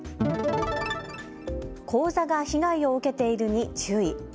口座が被害を受けているに注意。